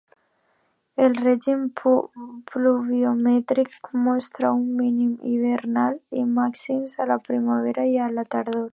El règim pluviomètric mostra un mínim hivernal i màxims a la primavera i la tardor.